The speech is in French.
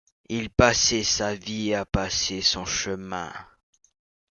Il passait sa vie à passer son chemin.